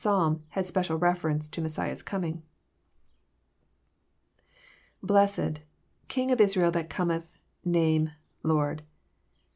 Psalm bad special reference to Messiah's coming. lBle88€d...King of Israel that cometh...name...Lord.'